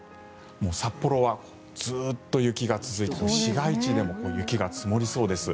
札幌はずっと雪が続いて市街地でも雪が積もりそうです。